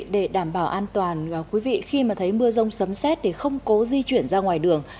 để đảm bảo an toàn khi mà thấy mưa rông xấm xét để không cố di chuyển ra ngoài đường